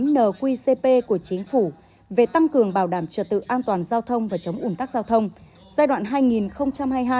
nqcp của chính phủ về tăng cường bảo đảm trật tự an toàn giao thông và chống ủn tắc giao thông